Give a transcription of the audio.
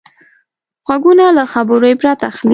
غوږونه له خبرو عبرت اخلي